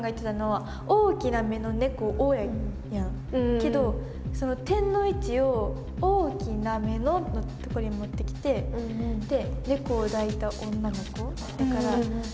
けどその点の位置を「大きな目の」のとこに持ってきてで「猫を抱いた女の子」だから。